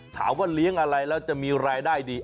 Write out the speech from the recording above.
ถามว่าเลี้ยงอะไรแล้วจะมีรายได้ดี